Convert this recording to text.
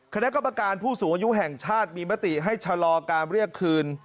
คณะกรรมการผู้สูงอายุแห่งชาติมีมติให้ชะลอการเรียกคืน